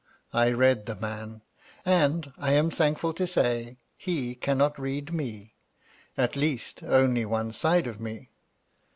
I read the man. And, I am thankful to say, he cannot read me. At least, only one side of me.